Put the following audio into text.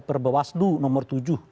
perbawah seluruh nomor tujuh